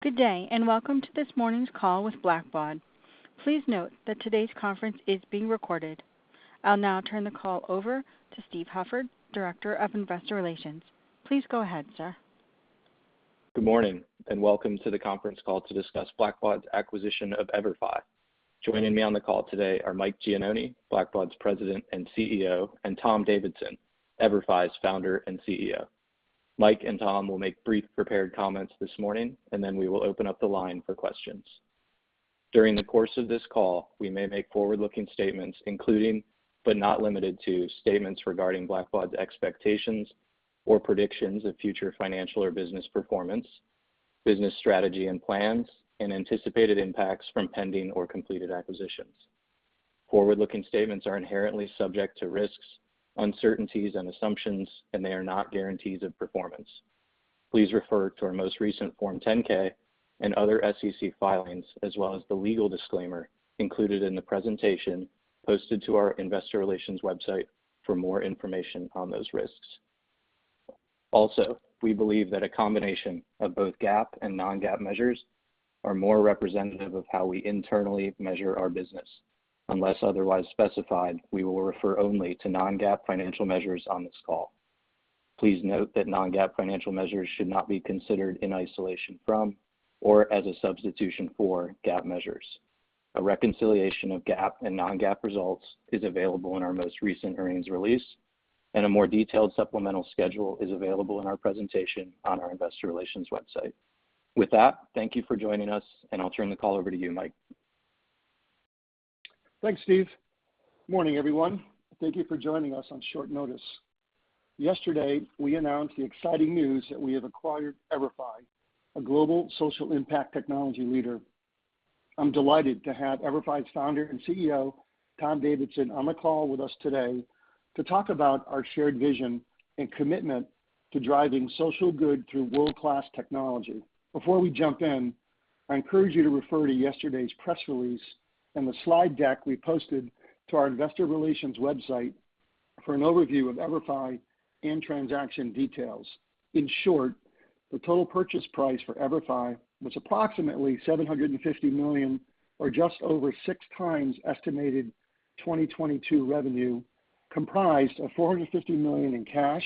Good day, and welcome to this morning's call with Blackbaud. Please note that today's conference is being recorded. I'll now turn the call over to Steve Hufford, Director of Investor Relations. Please go ahead, sir. Good morning, and welcome to the conference call to discuss Blackbaud's acquisition of EVERFI. Joining me on the call today are Mike Gianoni, Blackbaud's President and CEO, and Tom Davidson, EVERFI's Founder and CEO. Mike and Tom will make brief prepared comments this morning, and then we will open up the line for questions. During the course of this call, we may make forward-looking statements, including, but not limited to, statements regarding Blackbaud's expectations or predictions of future financial or business performance, business strategy and plans, and anticipated impacts from pending or completed acquisitions. Forward-looking statements are inherently subject to risks, uncertainties, and assumptions, and they are not guarantees of performance. Please refer to our most recent Form 10-K and other SEC filings, as well as the legal disclaimer included in the presentation posted to our investor relations website for more information on those risks. We believe that a combination of both GAAP and non-GAAP measures are more representative of how we internally measure our business. Unless otherwise specified, we will refer only to non-GAAP financial measures on this call. Please note that non-GAAP financial measures should not be considered in isolation from or as a substitution for GAAP measures. A reconciliation of GAAP and non-GAAP results is available in our most recent earnings release, and a more detailed supplemental schedule is available in our presentation on our Investor Relations website. With that, thank you for joining us, and I'll turn the call over to you, Mike. Thanks, Steve. Morning, everyone. Thank you for joining us on short notice. Yesterday, we announced the exciting news that we have acquired EVERFI, a global social impact technology leader. I'm delighted to have EVERFI's Founder and CEO, Tom Davidson, on the call with us today to talk about our shared vision and commitment to driving social good through world-class technology. Before we jump in, I encourage you to refer to yesterday's press release and the slide deck we posted to our Investor Relations website for an overview of EVERFI and transaction details. In short, the total purchase price for EVERFI was approximately $750 million or just over 6x estimated 2022 revenue, comprised of $450 million in cash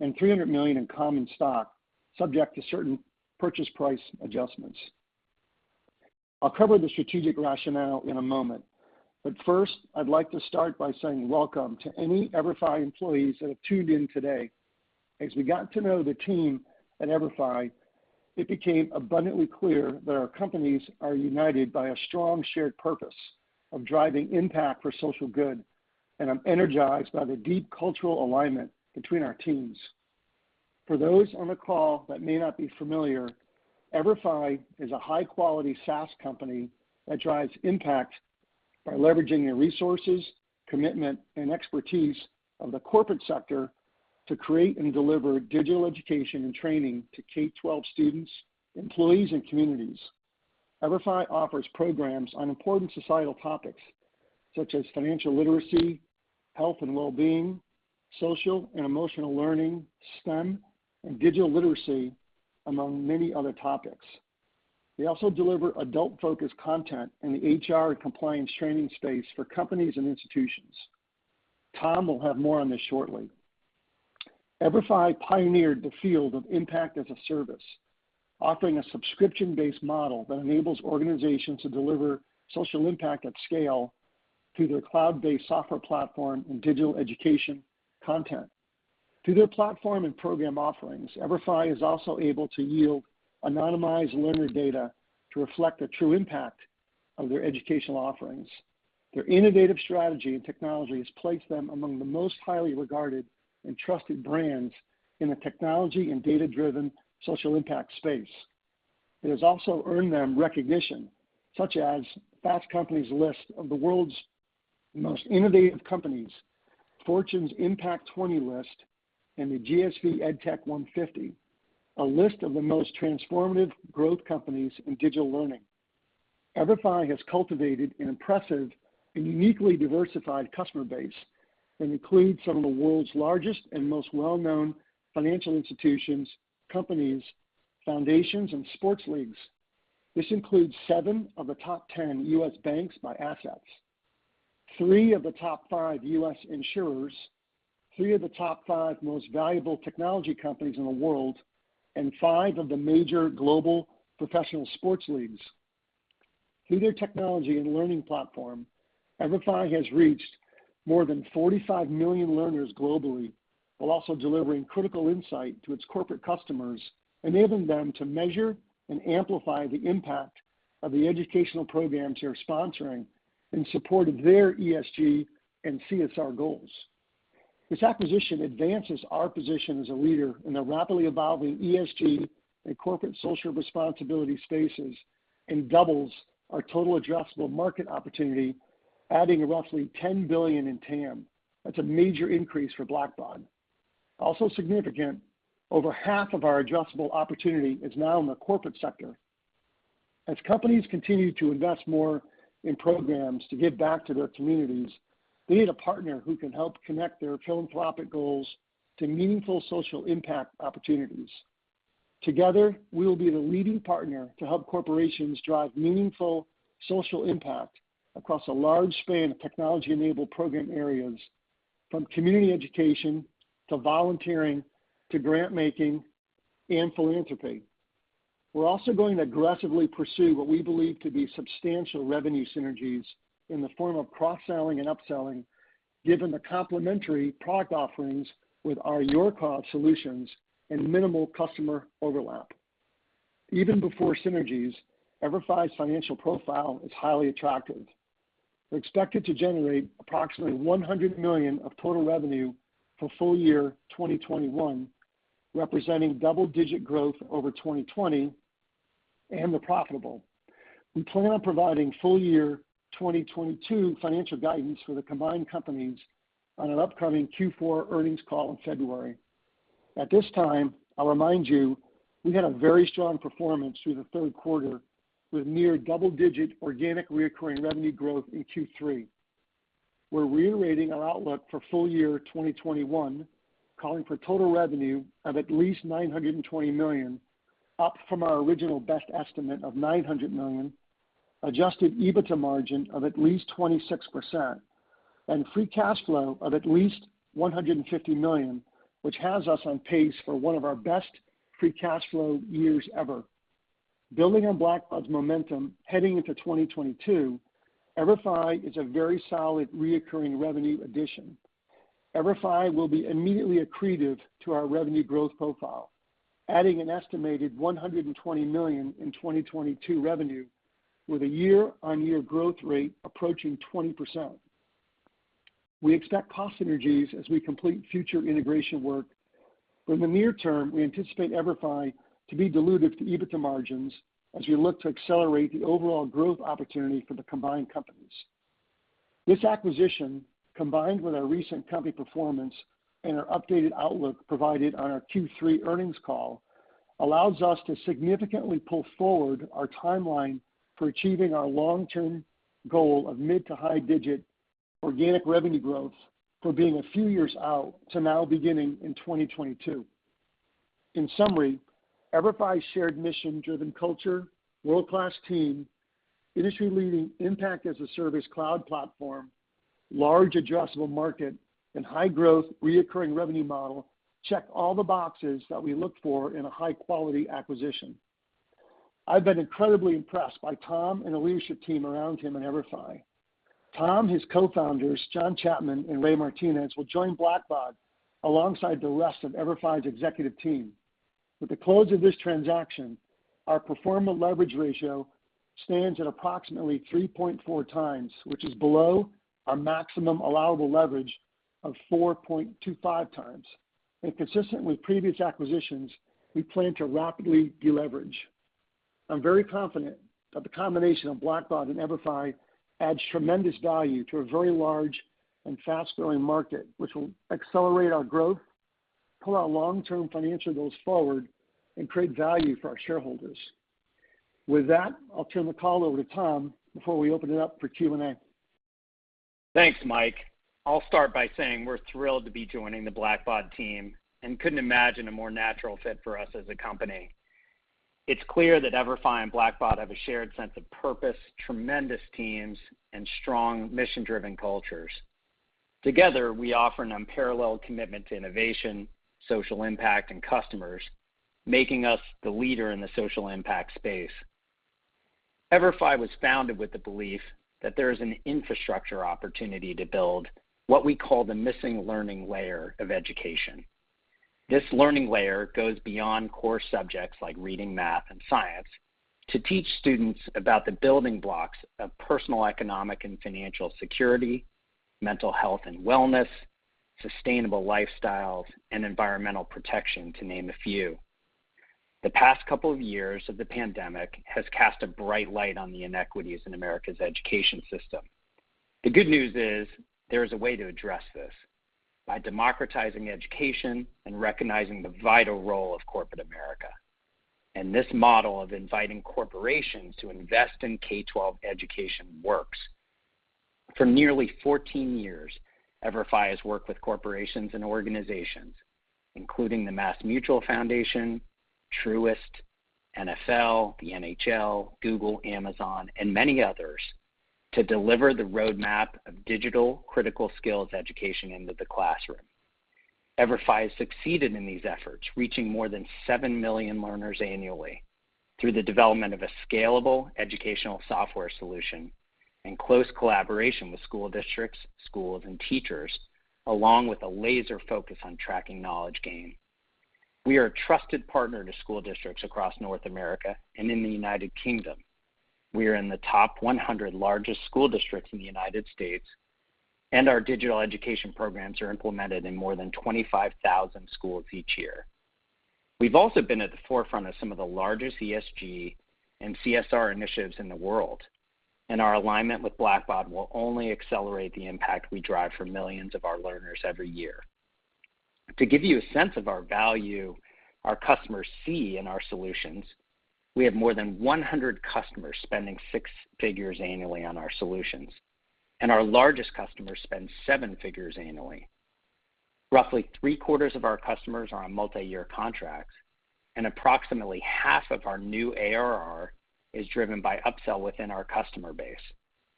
and $300 million in common stock, subject to certain purchase price adjustments. I'll cover the strategic rationale in a moment, but first, I'd like to start by saying welcome to any EVERFI employees that have tuned in today. As we got to know the team at EVERFI, it became abundantly clear that our companies are united by a strong shared purpose of driving impact for social good, and I'm energized by the deep cultural alignment between our teams. For those on the call that may not be familiar, EVERFI is a high-quality SaaS company that drives impact by leveraging the resources, commitment, and expertise of the corporate sector to create and deliver digital education and training to K-12 students, employees, and communities. EVERFI offers programs on important societal topics such as financial literacy, health and wellbeing, social and emotional learning, STEM, and digital literacy, among many other topics. They also deliver adult-focused content in the HR and compliance training space for companies and institutions. Tom will have more on this shortly. EVERFI pioneered the field of Impact as a Service, offering a subscription-based model that enables organizations to deliver social impact at scale through their cloud-based software platform and digital education content. Through their platform and program offerings, EVERFI is also able to yield anonymized learner data to reflect the true impact of their educational offerings. Their innovative strategy and technology has placed them among the most highly regarded and trusted brands in the technology and data-driven social impact space. It has also earned them recognition such as Fast Company's list of the world's most innovative companies, Fortune's Impact 20 list, and the GSV EdTech 150, a list of the most transformative growth companies in digital learning. EVERFI has cultivated an impressive and uniquely diversified customer base that includes some of the world's largest and most well-known financial institutions, companies, foundations, and sports leagues. This includes seven of the top 10 U.S. banks by assets, three of the top five U.S. insurers, three of the top five most valuable technology companies in the world, and five of the major global professional sports leagues. Through their technology and learning platform, EVERFI has reached more than 45 million learners globally while also delivering critical insight to its corporate customers, enabling them to measure and amplify the impact of the educational programs they are sponsoring in support of their ESG and CSR goals. This acquisition advances our position as a leader in the rapidly evolving ESG and corporate social responsibility spaces and doubles our total addressable market opportunity, adding roughly $10 billion in TAM. That's a major increase for Blackbaud. Significant, over half of our addressable opportunity is now in the corporate sector. As companies continue to invest more in programs to give back to their communities, they need a partner who can help connect their philanthropic goals to meaningful social impact opportunities. Together, we will be the leading partner to help corporations drive meaningful social impact across a large span of technology-enabled program areas, from community education to volunteering, to grant making and philanthropy. We're also going to aggressively pursue what we believe to be substantial revenue synergies in the form of cross-selling and upselling, given the complementary product offerings with our YourCause solutions and minimal customer overlap. Even before synergies, EVERFI's financial profile is highly attractive. We're expected to generate approximately $100 million of total revenue for full year 2021, representing double-digit growth over 2020, and we're profitable. We plan on providing full year 2022 financial guidance for the combined companies on an upcoming Q4 earnings call in February. At this time, I'll remind you we had a very strong performance through the third quarter with near double-digit organic recurring revenue growth in Q3. We're reiterating our outlook for full year 2021, calling for total revenue of at least $920 million, up from our original best estimate of $900 million, adjusted EBITDA margin of at least 26%, and Free Cash Flow of at least $150 million, which has us on pace for one of our best Free Cash Flow years ever. Building on Blackbaud's momentum heading into 2022, EVERFI is a very solid recurring revenue addition. EVERFI will be immediately accretive to our revenue growth profile, adding an estimated $120 million in 2022 revenue with a year-on-year growth rate approaching 20%. We expect cost synergies as we complete future integration work, but in the near term, we anticipate EVERFI to be dilutive to EBITDA margins as we look to accelerate the overall growth opportunity for the combined companies. This acquisition, combined with our recent company performance and our updated outlook provided on our Q3 earnings call, allows us to significantly pull forward our timeline for achieving our long-term goal of mid- to high-digit-organic revenue growth from being a few years out to now beginning in 2022. In summary, EVERFI's shared mission-driven culture, world-class team, industry-leading Impact as a Service cloud platform, large addressable market, and high-growth recurring revenue model check all the boxes that we look for in a high-quality acquisition. I've been incredibly impressed by Tom and the leadership team around him in EVERFI. Tom, his co-founders, Jon Chapman and Ray Martinez, will join Blackbaud alongside the rest of EVERFI's executive team. With the close of this transaction, our pro forma leverage ratio stands at approximately 3.4 times, which is below our maximum allowable leverage of 4.25 times. Consistent with previous acquisitions, we plan to rapidly deleverage. I'm very confident that the combination of Blackbaud and EVERFI adds tremendous value to a very large and fast-growing market, which will accelerate our growth, pull our long-term financial goals forward, and create value for our shareholders. With that, I'll turn the call over to Tom before we open it up for Q&A. Thanks, Mike. I'll start by saying we're thrilled to be joining the Blackbaud team and couldn't imagine a more natural fit for us as a company. It's clear that EVERFI and Blackbaud have a shared sense of purpose, tremendous teams, and strong mission-driven cultures. Together, we offer an unparalleled commitment to innovation, social impact, and customers, making us the leader in the social impact space. EVERFI was founded with the belief that there is an infrastructure opportunity to build what we call the missing learning layer of education. This learning layer goes beyond core subjects like reading, math, and science to teach students about the building blocks of personal economic and financial security, mental health and wellness, sustainable lifestyles, and environmental protection, to name a few. The past couple of years of the pandemic has cast a bright light on the inequities in America's education system. The good news is there is a way to address this by democratizing education and recognizing the vital role of corporate America. This model of inviting corporations to invest in K-12 education works. For nearly 14 years, EVERFI has worked with corporations and organizations, including the MassMutual Foundation, Truist, NFL, the NHL, Google, Amazon, and many others, to deliver the roadmap of digital critical skills education into the classroom. EVERFI has succeeded in these efforts, reaching more than 7 million learners annually through the development of a scalable educational software solution in close collaboration with school districts, schools, and teachers, along with a laser focus on tracking knowledge gain. We are a trusted partner to school districts across North America and in the United Kingdom. We are in the top 100 largest school districts in the United States, and our digital education programs are implemented in more than 25,000 schools each year. We've also been at the forefront of some of the largest ESG and CSR initiatives in the world, and our alignment with Blackbaud will only accelerate the impact we drive for millions of our learners every year. To give you a sense of our value, our customers see in our solutions, we have more than 100 customers spending six figures annually on our solutions, and our largest customers spend seven figures annually. Roughly three-quarters of our customers are on multi-year contracts, and approximately half of our new ARR is driven by upsell within our customer base.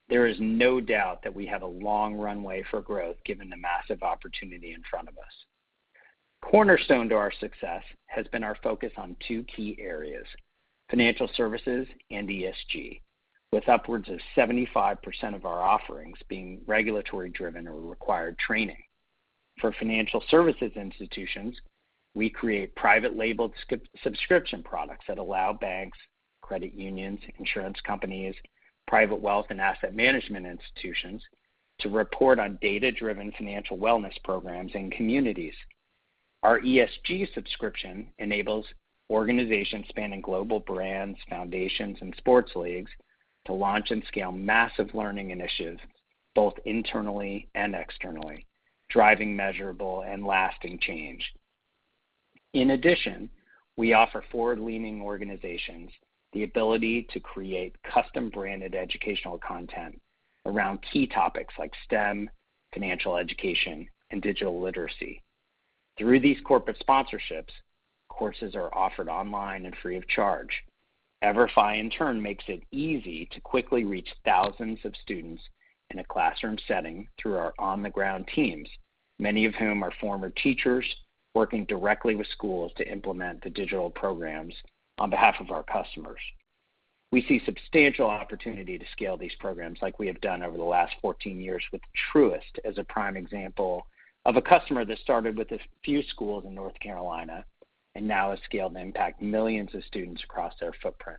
There is no doubt that we have a long runway for growth given the massive opportunity in front of us. Cornerstone to our success has been our focus on two key areas, financial services and ESG, with upwards of 75% of our offerings being regulatory driven or required training. For financial services institutions, we create private labeled subscription products that allow banks, credit unions, insurance companies, private wealth and asset management institutions to report on data-driven financial wellness programs and communities. Our ESG subscription enables organizations spanning global brands, foundations, and sports leagues to launch and scale massive learning initiatives both internally and externally, driving measurable and lasting change. In addition, we offer forward-leaning organizations the ability to create custom branded educational content around key topics like STEM, financial education, and digital literacy. Through these corporate sponsorships, courses are offered online and free of charge. EVERFI in turn makes it easy to quickly reach thousands of students in a classroom setting through our on-the-ground teams, many of whom are former teachers working directly with schools to implement the digital programs on behalf of our customers. We see substantial opportunity to scale these programs like we have done over the last 14 years with Truist as a prime example of a customer that started with a few schools in North Carolina and now has scaled to impact millions of students across their footprint.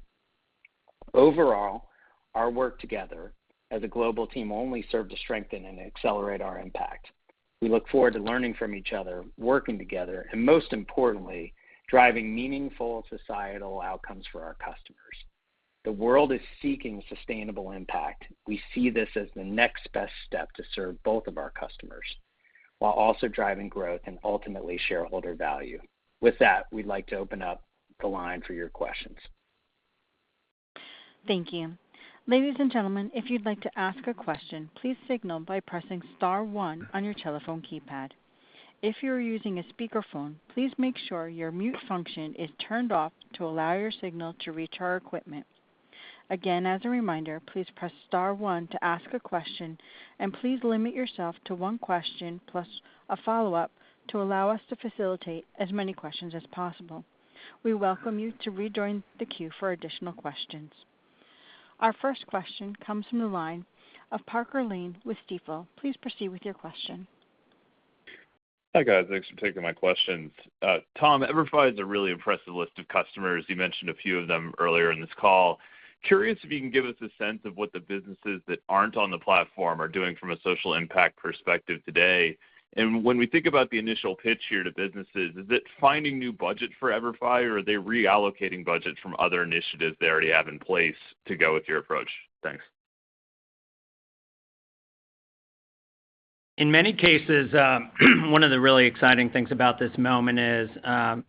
Overall, our work together as a global team only serve to strengthen and accelerate our impact. We look forward to learning from each other, working together, and most importantly, driving meaningful societal outcomes for our customers. The world is seeking sustainable impact. We see this as the next best step to serve both of our customers while also driving growth and ultimately shareholder value. With that, we'd like to open up the line for your questions. Thank you. Ladies and gentlemen, if you'd like to ask a question, please signal by pressing star one on your telephone keypad. If you're using a speakerphone, please make sure your mute function is turned off to allow your signal to reach our equipment. Again, as a reminder, please press star one to ask a question, and please limit yourself to one question plus a follow-up to allow us to facilitate as many questions as possible. We welcome you to rejoin the queue for additional questions. Our first question comes from the line of Parker Lane with Stifel. Please proceed with your question. Hi, guys. Thanks for taking my questions. Tom, EVERFI has a really impressive list of customers. You mentioned a few of them earlier in this call. Curious if you can give us a sense of what the businesses that aren't on the platform are doing from a social impact perspective today. When we think about the initial pitch here to businesses, is it finding new budget for EVERFI or are they reallocating budgets from other initiatives they already have in place to go with your approach? Thanks. In many cases, one of the really exciting things about this moment is,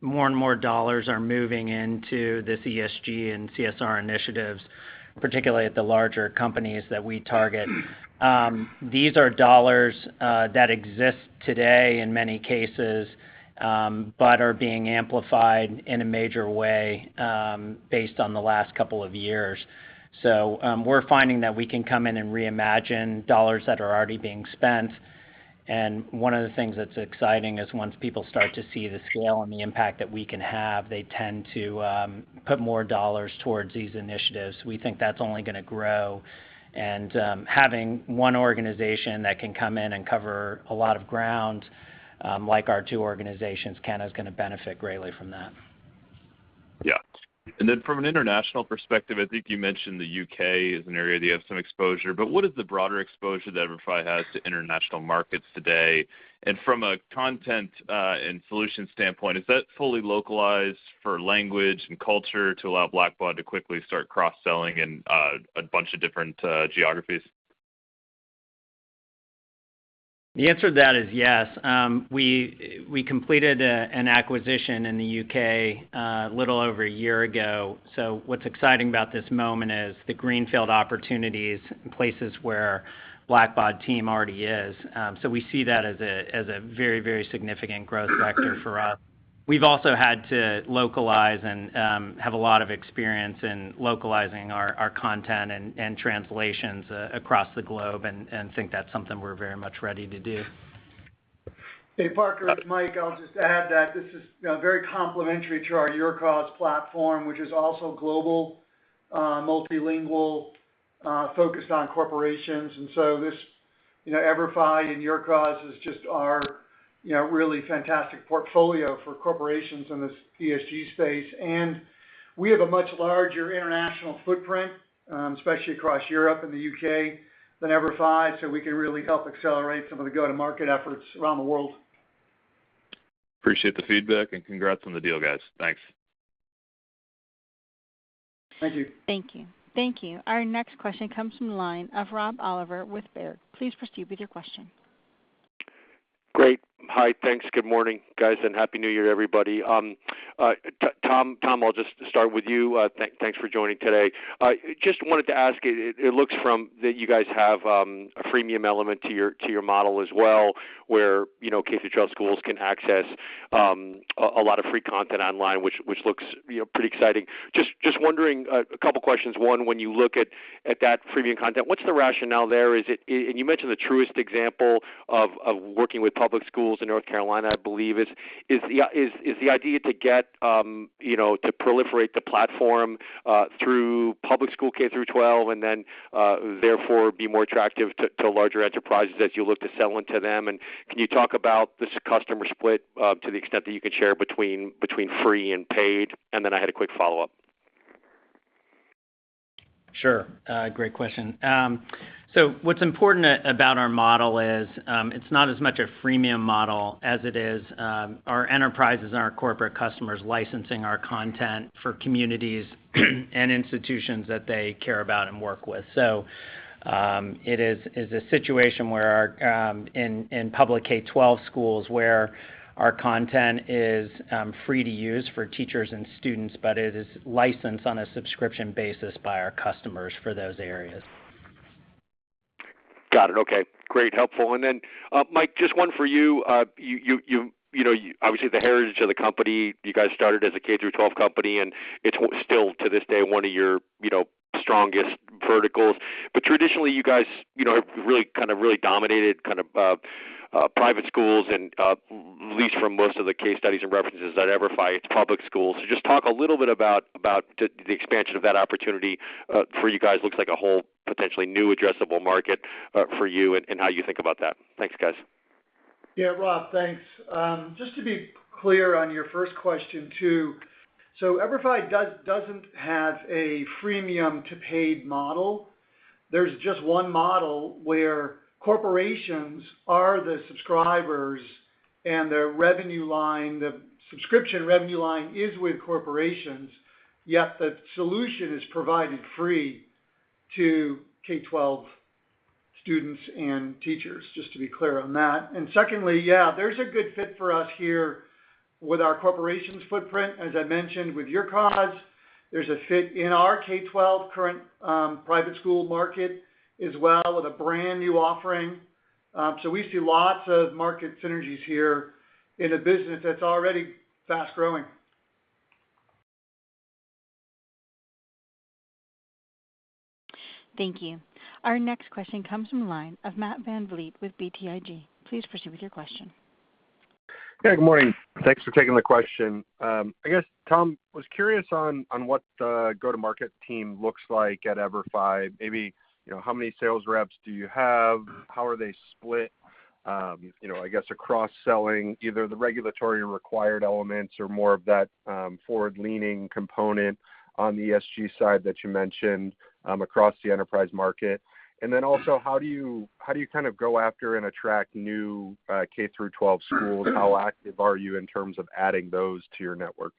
more and more dollars are moving into this ESG and CSR initiatives, particularly at the larger companies that we target. These are dollars, that exist today in many cases, but are being amplified in a major way, based on the last couple of years. We're finding that we can come in and reimagine dollars that are already being spent. One of the things that's exciting is once people start to see the scale and the impact that we can have, they tend to put more dollars towards these initiatives. We think that's only gonna grow. Having one organization that can come in and cover a lot of ground, like our two organizations, kinda is gonna benefit greatly from that. Yeah. From an international perspective, I think you mentioned the U.K. is an area that you have some exposure, but what is the broader exposure that EVERFI has to international markets today? From a content, and solution standpoint, is that fully localized for language and culture to allow Blackbaud to quickly start cross-selling in, a bunch of different, geographies? The answer to that is yes. We completed an acquisition in the U.K., a little over a year ago. What's exciting about this moment is the greenfield opportunities in places where Blackbaud team already is. We see that as a very significant growth vector for us. We've also had to localize and have a lot of experience in localizing our content and translations across the globe and think that's something we're very much ready to do. Hey, Parker, it's Mike. I'll just add that this is, you know, very complementary to our YourCause platform, which is also global, multilingual, focused on corporations. This, you know, EVERFI and YourCause is just our, you know, really fantastic portfolio for corporations in this ESG space. We have a much larger international footprint, especially across Europe and the U.K. than EVERFI. We can really help accelerate some of the go-to-market efforts around the world. Appreciate the feedback, and congrats on the deal, guys. Thanks. Thank you. Thank you. Thank you. Our next question comes from the line of Rob Oliver with Baird. Please proceed with your question. Great. Hi. Thanks. Good morning, guys, and Happy New Year, everybody. Tom, I'll just start with you. Thanks for joining today. Just wanted to ask, it looks that you guys have a freemium element to your model as well, where, you know, K-12 schools can access a lot of free content online, which looks, you know, pretty exciting. Just wondering a couple questions. One, when you look at that freemium content, what's the rationale there? Is it. And you mentioned the Truist example of working with public schools in North Carolina, I believe. Is the idea to get, you know, to proliferate the platform through public school K-12 and then therefore be more attractive to larger enterprises as you look to sell into them? Can you talk about the customer split to the extent that you could share between free and paid? I had a quick follow-up. Sure. Great question. What's important about our model is, it's not as much a freemium model as it is, our enterprises and our corporate customers licensing our content for communities and institutions that they care about and work with. It is a situation in public K-12 schools where our content is free to use for teachers and students, but it is licensed on a subscription basis by our customers for those areas. Got it. Okay. Great. Helpful. Mike, just one for you. You know, obviously the heritage of the company, you guys started as a K through 12 company, and it's still to this day, one of your strongest verticals. But traditionally, you guys have really kind of dominated kind of private schools and, at least from most of the case studies and references, that EVERFI, it's public schools. So just talk a little bit about the expansion of that opportunity for you guys. Looks like a whole potentially new addressable market for you and how you think about that. Thanks, guys. Yeah, Rob, thanks. Just to be clear on your first question too, EVERFI doesn't have a freemium to paid model. There's just one model where corporations are the subscribers and their revenue line, the subscription revenue line is with corporations, yet the solution is provided free to K-12 students and teachers, just to be clear on that. Secondly, yeah, there's a good fit for us here with our corporations footprint, as I mentioned, with YourCause. There's a fit in our K-12 current private school market as well with a brand new offering. We see lots of market synergies here in a business that's already fast-growing. Thank you. Our next question comes from the line of Matt VanVleet with BTIG. Please proceed with your question. Yeah, good morning. Thanks for taking the question. I guess, Tom, was curious on what the go-to-market team looks like at EVERFI. Maybe, you know, how many sales reps do you have? How are they split, you know, I guess, across selling either the regulatory required elements or more of that, forward-leaning component on the ESG side that you mentioned, across the enterprise market. How do you kind of go after and attract new, K through 12 schools? How active are you in terms of adding those to your network?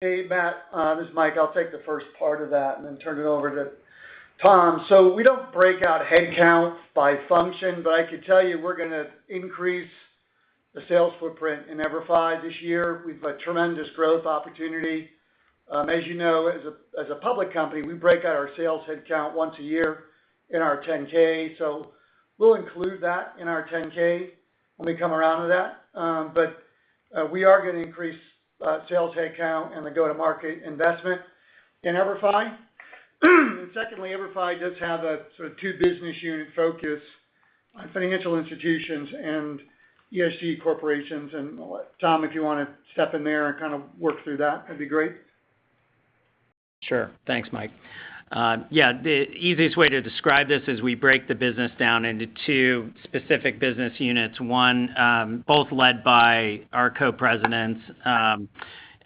Hey, Matt. This is Mike. I'll take the first part of that and then turn it over to Tom. We don't break out headcount by function, but I could tell you we're gonna increase the sales footprint in EVERFI this year. We have a tremendous growth opportunity. As you know, as a public company, we break out our sales headcount once a year in our 10-K. We'll include that in our 10-K when we come around to that. We are gonna increase sales headcount and the go-to-market investment in EVERFI. Secondly, EVERFI does have a sort of two business unit focus on financial institutions and ESG corporations. Tom, if you wanna step in there and kind of work through that'd be great. Sure. Thanks, Mike. Yeah, the easiest way to describe this is we break the business down into two specific business units. One, both led by our co-presidents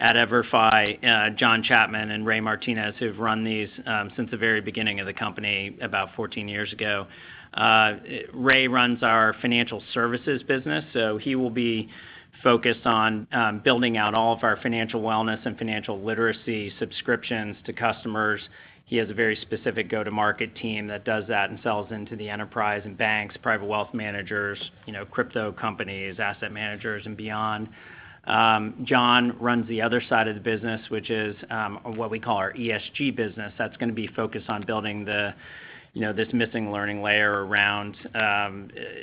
at EVERFI, Jon Chapman and Ray Martinez, who've run these since the very beginning of the company about 14 years ago. Ray runs our financial services business, so he will be focused on building out all of our financial wellness and financial literacy subscriptions to customers. He has a very specific go-to-market team that does that and sells into the enterprise and banks, private wealth managers, you know, crypto companies, asset managers and beyond. Jon runs the other side of the business, which is what we call our ESG business. That's gonna be focused on building the, you know, this missing learning layer around,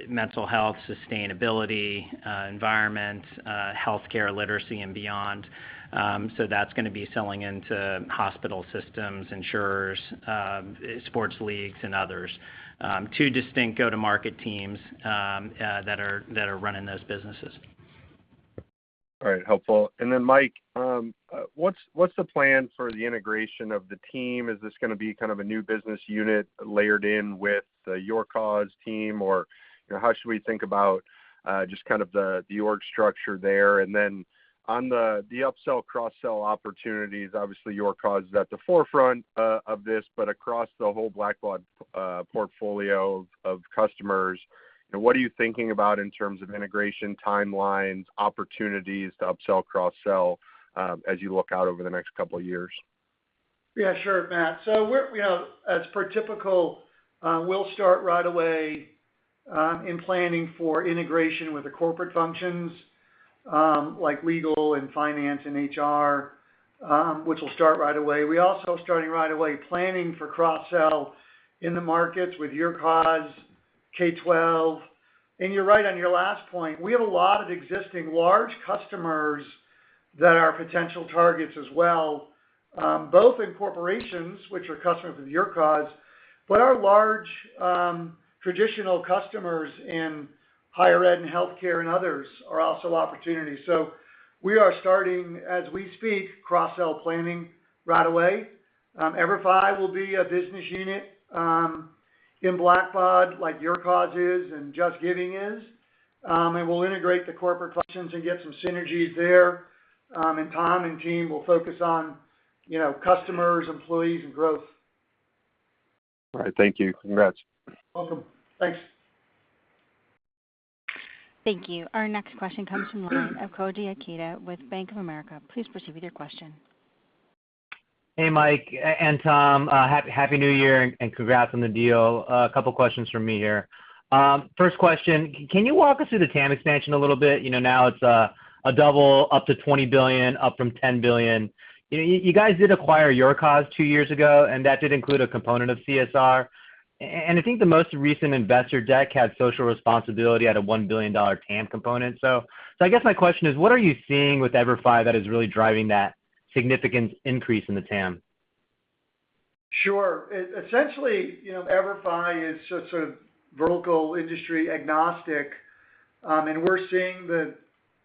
mental health, sustainability, environment, healthcare literacy and beyond. That's gonna be selling into hospital systems, insurers, sports leagues and others. Two distinct go-to-market teams that are running those businesses. All right. Helpful. Mike, what's the plan for the integration of the team? Is this gonna be kind of a new business unit layered in with the YourCause team? Or, you know, how should we think about just kind of the org structure there? On the upsell, cross-sell opportunities, obviously, YourCause is at the forefront of this. But across the whole Blackbaud portfolio of customers, you know, what are you thinking about in terms of integration timelines, opportunities to upsell, cross-sell as you look out over the next couple of years? Yeah, sure, Matt. We're, you know, as per typical, we'll start right away in planning for integration with the corporate functions like legal and finance and HR, which will start right away. We're also starting right away planning for cross-sell in the markets with YourCause, K-12. You're right on your last point, we have a lot of existing large customers that are potential targets as well, both in corporations, which are customers of YourCause, but our large traditional customers in higher ed and healthcare and others are also opportunities. We are starting, as we speak, cross-sell planning right away. EVERFI will be a business unit in Blackbaud like YourCause is and JustGiving is. We'll integrate the corporate functions and get some synergies there. Tom and team will focus on, you know, customers, employees, and growth. All right. Thank you. Congrats. Welcome. Thanks. Thank you. Our next question comes from the line of Koji Ikeda with Bank of America. Please proceed with your question. Hey, Mike and Tom. Happy New Year, and congrats on the deal. A couple questions from me here. First question, can you walk us through the TAM expansion a little bit? You know, now it's a double up to $20 billion, up from $10 billion. You guys did acquire YourCause two years ago, and that did include a component of CSR. I think the most recent investor deck had social responsibility at a $1 billion TAM component. I guess my question is, what are you seeing with EVERFI that is really driving that significant increase in the TAM? Sure. Essentially, you know, EVERFI is sort of vertical industry agnostic, and we're seeing the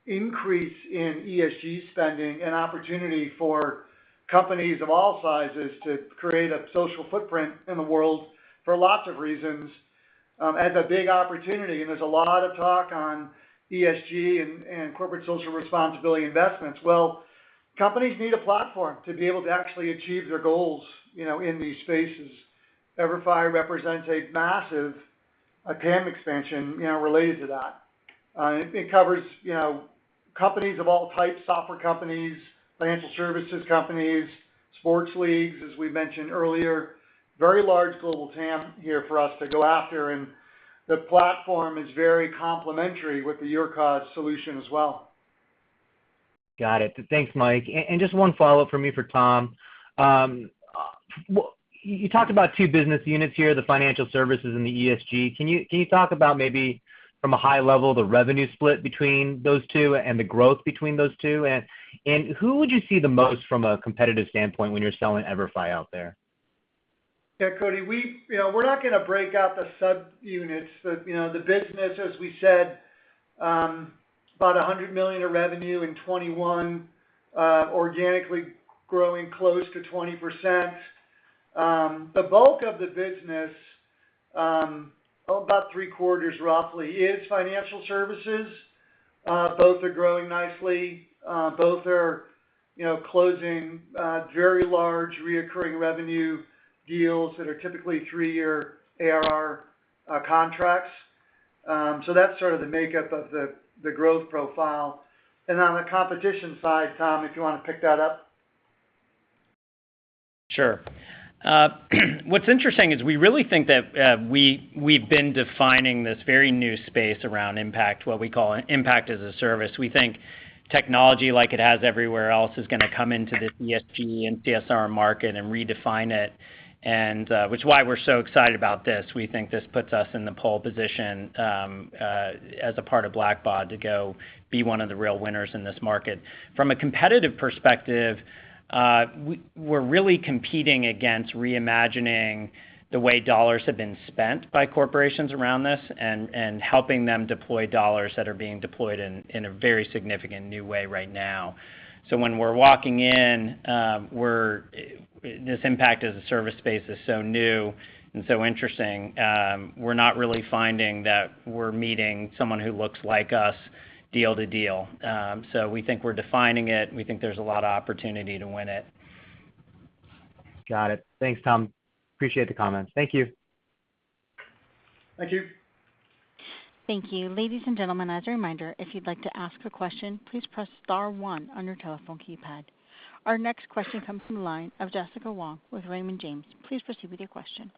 increase in ESG spending and opportunity for companies of all sizes to create a social footprint in the world for lots of reasons, as a big opportunity. There's a lot of talk on ESG and corporate social responsibility investments. Companies need a platform to be able to actually achieve their goals, you know, in these spaces. EVERFI represents a massive TAM expansion, you know, related to that. It covers, you know, companies of all types, software companies, financial services companies, sports leagues, as we mentioned earlier, very large global TAM here for us to go after, and the platform is very complementary with the YourCause solution as well. Got it. Thanks, Mike. Just one follow-up from me for Tom. You talked about two business units here, the financial services and the ESG. Can you talk about maybe from a high level, the revenue split between those two and the growth between those two? Who would you see the most from a competitive standpoint when you're selling EVERFI out there? Yeah, Koji, we, you know, we're not gonna break out the subunits. The, you know, the business, as we said, about $100 million of revenue in 2021, organically growing close to 20%. The bulk of the business, about three-quarters roughly, is financial services. Both are growing nicely. Both are, you know, closing very large recurring revenue deals that are typically 3-year ARR contracts. So that's sort of the makeup of the growth profile. On the competition side, Tom, if you wanna pick that up. Sure. What's interesting is we really think that we've been defining this very new space around impact, what we call Impact as a Service. We think technology like it has everywhere else is gonna come into this ESG and CSR market and redefine it, which is why we're so excited about this. We think this puts us in the pole position as a part of Blackbaud to go be one of the real winners in this market. From a competitive perspective, we're really competing against reimagining the way dollars have been spent by corporations around this and helping them deploy dollars that are being deployed in a very significant new way right now. When we're walking in, this Impact as a Service space is so new and so interesting, we're not really finding that we're meeting someone who looks like us deal to deal. We think we're defining it. We think there's a lot of opportunity to win it. Got it. Thanks, Tom. Appreciate the comments. Thank you. Thank you. Thank you. Ladies and gentlemen, as a reminder, if you'd like to ask a question, please press star one on your telephone keypad. Our next question comes from the line of Brian Peterson with Raymond James. Please proceed with your question.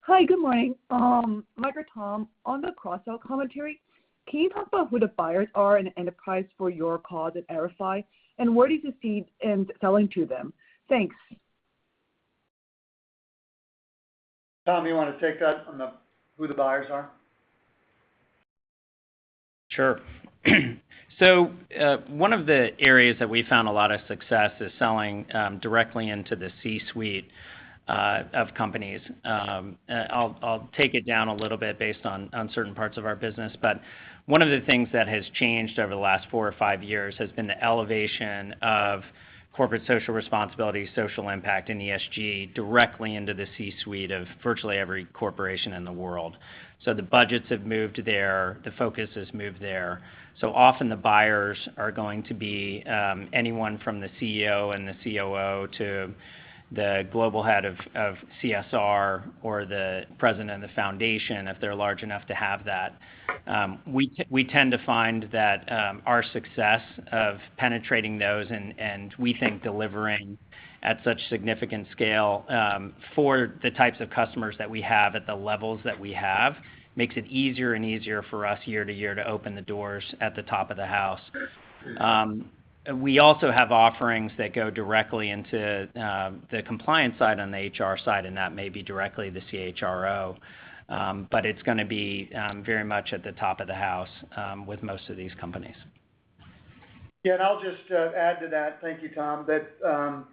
Hi. Good morning. Mike or Tom, on the cross-sell commentary, can you talk about who the buyers are in the enterprise for YourCause and EVERFI, and where do you see up-selling to them? Thanks. Tom, you wanna take that on the, who the buyers are? Sure. One of the areas that we found a lot of success is selling directly into the C-suite of companies. I'll take it down a little bit based on certain parts of our business, but one of the things that has changed over the last four or five years has been the elevation of corporate social responsibility, social impact in ESG directly into the C-suite of virtually every corporation in the world. The budgets have moved there. The focus has moved there. Often the buyers are going to be anyone from the CEO and the COO to the global head of CSR or the president of the foundation, if they're large enough to have that. We tend to find that our success of penetrating those and we think delivering at such significant scale for the types of customers that we have at the levels that we have makes it easier and easier for us year to year to open the doors at the top of the house. We also have offerings that go directly into the compliance side on the HR side, and that may be directly the CHRO. It's gonna be very much at the top of the house with most of these companies. Yeah, I'll just add to that. Thank you, Tom. That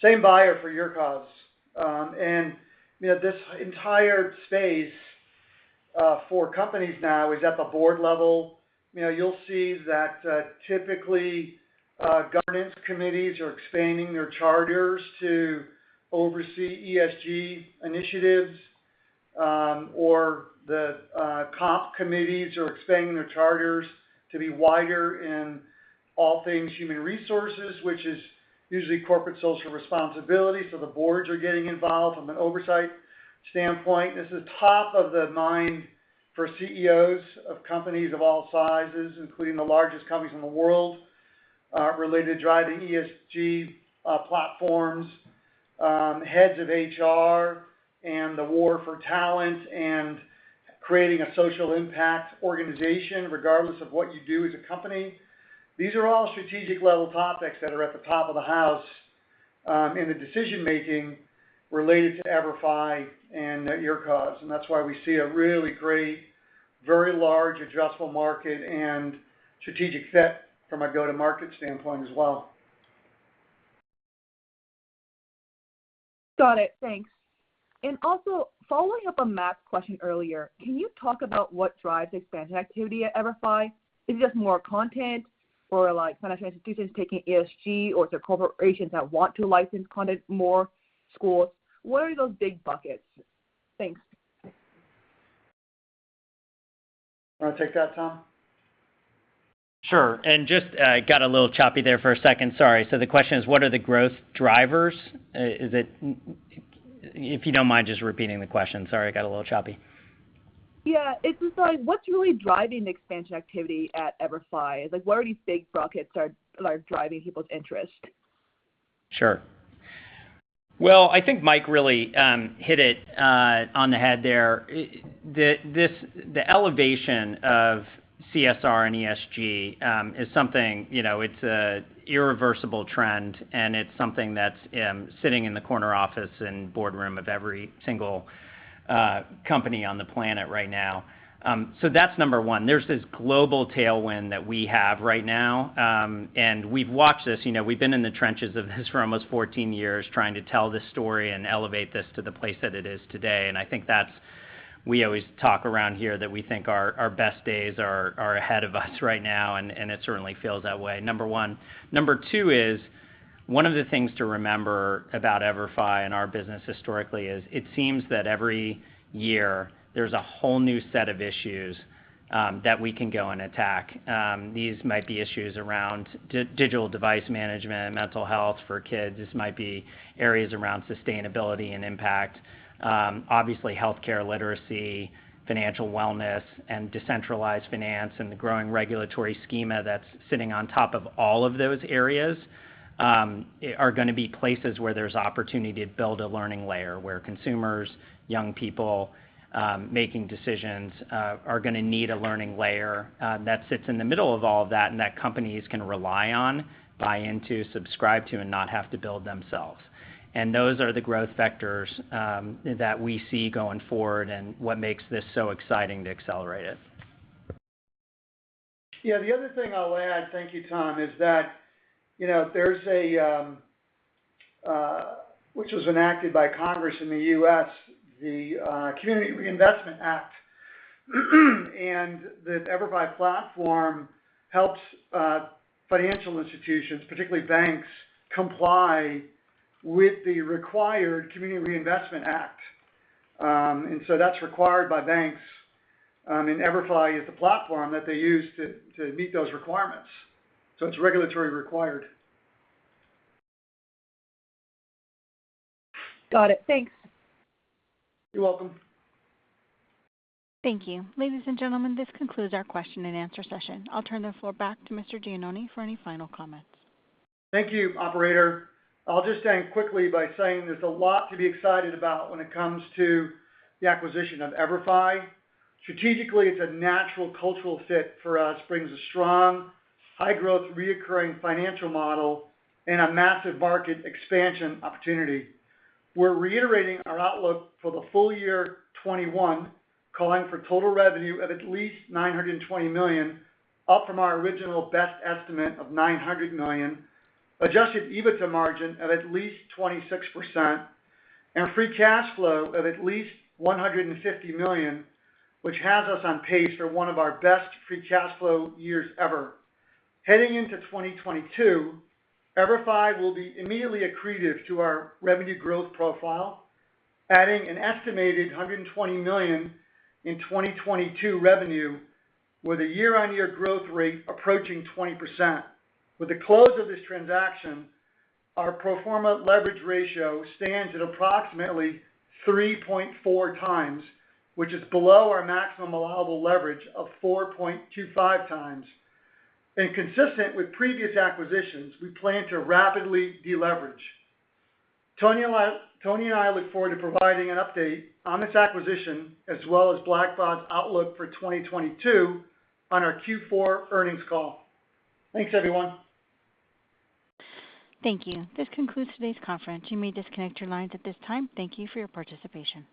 same buyer for YourCause. You know, this entire space for companies now is at the board level. You know, you'll see that typically governance committees are expanding their charters to oversee ESG initiatives, or the comp committees are expanding their charters to be wider in all things human resources, which is usually corporate social responsibility. The boards are getting involved from an oversight standpoint. This is top of the mind for CEOs of companies of all sizes, including the largest companies in the world related to driving ESG platforms, heads of HR and the war for talent and creating a social impact organization, regardless of what you do as a company. These are all strategic level topics that are at the top of the house, in the decision-making related to EVERFI and YourCause, and that's why we see a really great, very large addressable market and strategic fit from a go-to-market standpoint as well. Got it. Thanks. Also following up on Matt's question earlier, can you talk about what drives expansion activity at EVERFI? Is it just more content or like financial institutions taking ESG, or is there corporations that want to license content, more courses? What are those big buckets? Thanks. Wanna take that, Tom? Sure. Just got a little choppy there for a second. Sorry. The question is, what are the growth drivers? If you don't mind just repeating the question. Sorry, it got a little choppy. Yeah. It's just like, what's really driving the expansion activity at EVERFI? Like, what are these big buckets driving people's interest? Sure. Well, I think Mike really hit it on the head there. The elevation of CSR and ESG is something, you know, it's an irreversible trend, and it's something that's sitting in the corner office and boardroom of every single company on the planet right now. That's number one. There's this global tailwind that we have right now. We've watched this. You know, we've been in the trenches of this for almost 14 years trying to tell this story and elevate this to the place that it is today, and I think that's it. We always talk around here that we think our best days are ahead of us right now, and it certainly feels that way. Number one. Number two is, one of the things to remember about EVERFI and our business historically is it seems that every year there's a whole new set of issues that we can go and attack. These might be issues around digital device management and mental health for kids. This might be areas around sustainability and impact. Obviously healthcare literacy, financial wellness, and decentralized finance, and the growing regulatory schema that's sitting on top of all of those areas are gonna be places where there's opportunity to build a learning layer where consumers, young people making decisions are gonna need a learning layer that sits in the middle of all of that, and that companies can rely on, buy into, subscribe to, and not have to build themselves. Those are the growth vectors that we see going forward and what makes this so exciting to accelerate it. Yeah. The other thing I'll add, thank you, Tom, is that, you know, there's the Community Reinvestment Act, which was enacted by Congress in the U.S. The EVERFI platform helps financial institutions, particularly banks, comply with the required Community Reinvestment Act. That's required by banks, and EVERFI is the platform that they use to meet those requirements. It's regulatory required. Got it. Thanks. You're welcome. Thank you. Ladies and gentlemen, this concludes our question and answer session. I'll turn the floor back to Mr. Gianoni for any final comments. Thank you, operator. I'll just end quickly by saying there's a lot to be excited about when it comes to the acquisition of EVERFi. Strategically, it's a natural cultural fit for us, brings a strong, high-growth, recurring financial model and a massive market expansion opportunity. We're reiterating our outlook for the full year 2021, calling for total revenue of at least $920 million, up from our original best estimate of $900 million, adjusted EBITDA margin of at least 26%, and free cash flow of at least $150 million, which has us on pace for one of our best free cash flow years ever. Heading into 2022, EVERFi will be immediately accretive to our revenue growth profile, adding an estimated $120 million in 2022 revenue with a year-on-year growth rate approaching 20%. With the close of this transaction, our pro forma leverage ratio stands at approximately 3.4 times, which is below our maximum allowable leverage of 4.25 times. Consistent with previous acquisitions, we plan to rapidly deleverage. Tony and I look forward to providing an update on this acquisition as well as Blackbaud's outlook for 2022 on our Q4 earnings call. Thanks, everyone. Thank you. This concludes today's conference. You may disconnect your lines at this time. Thank you for your participation.